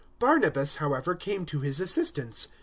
009:027 Barnabas, however, came to his assistance.